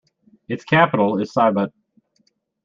Its capital is Sibut.